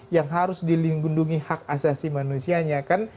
yang harus dilindungi hak asasi manusianya kan